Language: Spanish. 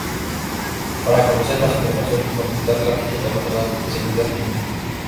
Para conocer más información consultar la ficha internacional de seguridad química.